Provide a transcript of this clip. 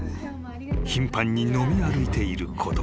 ［頻繁に飲み歩いていること。